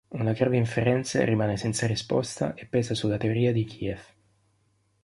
Una grave inferenza rimane senza risposta e pesa sulla teoria di Kiev.